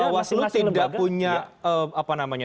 bawaslu tidak punya apa namanya